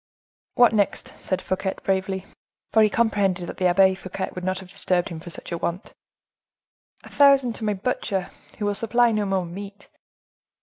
"What next?" said Fouquet bravely, for he comprehended that the Abbe Fouquet would not have disturbed him for such a want. "A thousand to my butcher, who will supply no more meat."